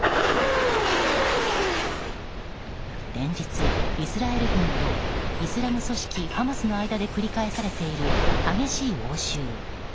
連日、イスラエル軍とイスラム組織ハマスの間で繰り返されている激しい応酬。